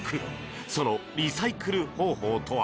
そのリサイクル方法とは？